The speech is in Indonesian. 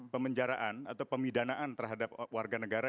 pemenjaraan atau pemidanaan terhadap warga negara